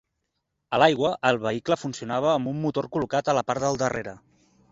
A l'aigua, el vehicle funcionava amb un motor col·locat a la part del darrere.